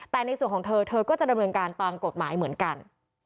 แต่ในส่วนของเธอเธอก็จะดำเนินการตามกฎหมายเหมือนกัน